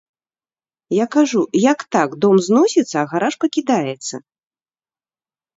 Я кажу, як так, дом зносіцца, а гараж пакідаецца?